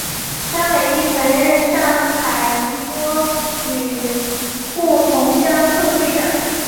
张美翊曾任上海宁波旅沪同乡会会长。